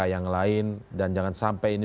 yang lain dan jangan sampai ini